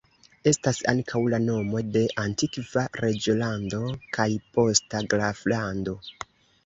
Estas ankaŭ la nomo de antikva reĝolando kaj posta graflando.